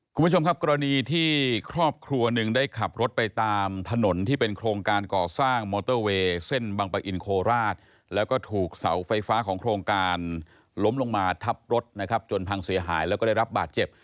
คุณผู้ชมครับกรณีที่ครอบครัวหนึ่งได้ขับรถไปตามถนนที่เป็นโครงการก่อสร้างมอเตอร์เวย์เส้นบังปะอินโคราชแล้วก็ถูกเสาไฟฟ้าของโครงการล้มลงมาทับรถนะครับจนพังเสียหายแล้วก็ได้รับบาดเจ็บ